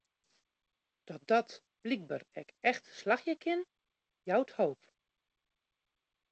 Dat dat blykber ek echt slagje kin, jout hoop.